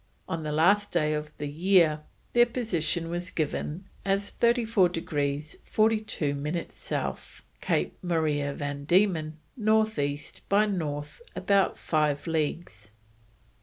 On the last day of the year their position was given as "34 degrees 42 minutes South, Cape Maria van Diemen North East by North about 5 leagues."